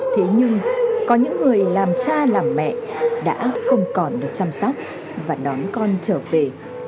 thế nhưng có những người làm cha làm mẹ đã không còn được chăm sóc và đón con trở về